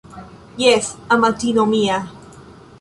Jes, amatino mia